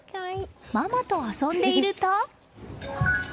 ママと遊んでいると。